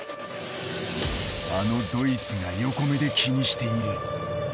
あのドイツが横目で気にしている。